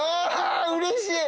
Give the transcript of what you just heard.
うれしい。